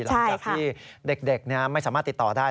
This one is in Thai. หลังจากที่เด็กไม่สามารถติดต่อได้